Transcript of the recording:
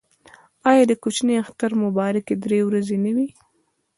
آیا د کوچني اختر مبارکي درې ورځې نه وي؟